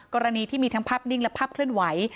กรณีที่มีทั้งภาพนิ่งและภาพเคลื่อนไหว